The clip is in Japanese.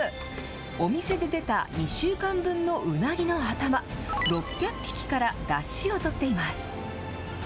お店で出た２週間分のウナギの頭６００匹からだしを取っています。